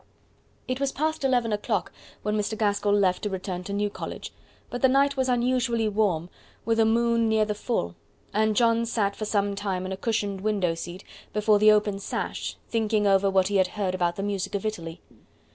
It was past eleven o'clock when Mr. Gaskell left to return to New College; but the night was unusually warm, with a moon near the full, and John sat for some time in a cushioned window seat before the open sash thinking over what he had heard about the music of Italy.